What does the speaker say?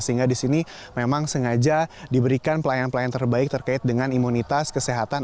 sehingga di sini memang sengaja diberikan pelayanan pelayanan terbaik terkait dengan imunitas kesehatan